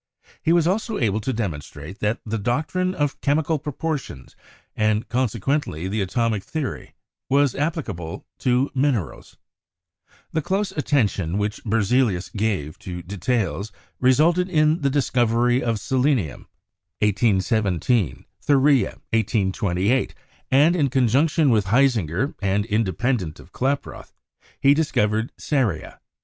He was also able to demonstrate that the doctrine of chemical pro portions, and consequently the atomic theory, was applica ble to minerals. The close attention which Berzelius gave to details re sulted in the discovery of selenium (1817), thoria (1828), and, in conjunction with Hisinger and independ ent of Klaproth, he discovered ceria (1803).